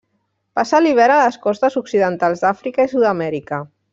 Passa l'hivern a les costes occidentals d'Àfrica i Sud-amèrica.